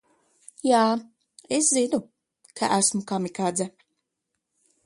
"Jā, es zinu, ka es esmu "kamikadze"."